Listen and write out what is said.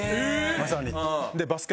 まさに。